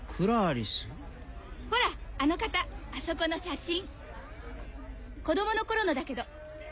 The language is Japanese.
ほらあの方あそこの写真子供の頃のだけど。